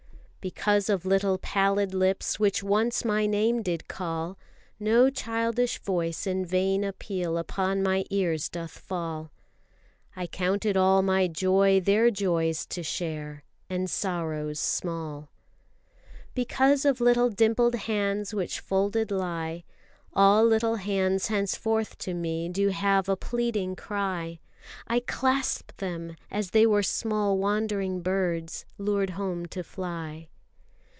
Because of little pallid lips, which once My name did call, No childish voice in vain appeal upon My ears doth fall. I count it all my joy their joys to share, And sorrows small. Because of little dimpled hands Which folded lie, All little hands henceforth to me do have A pleading cry. I clasp them, as they were small wandering birds, Lured home to fly.